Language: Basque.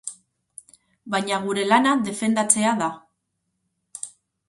Baina gure lana defendatzea da.